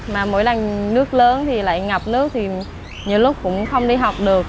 mà mỗi lần nước lớn thì lại ngập nước thì nhiều lúc cũng không đi học được